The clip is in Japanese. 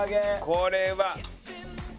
これは。